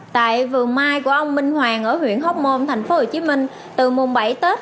tại vườn mai của ông minh hoàng ở huyện hóc môn tp hcm từ mùng bảy tết